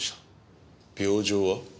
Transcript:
病状は？